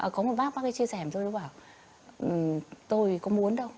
có một bác bác ấy chia sẻ với tôi bác ấy bảo tôi có muốn đâu